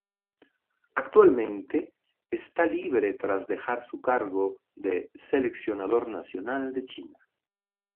Actualmente está libre tras dejar su cargo de seleccionador nacional de China.